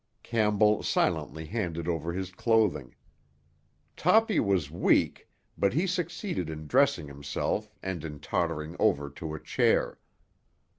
Campbell silently handed over his clothing. Toppy was weak, but he succeeded in dressing himself and in tottering over to a chair.